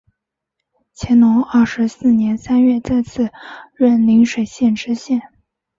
乾隆二十四年三月再次任邻水县知县。